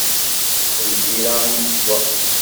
D lbira i yeswa.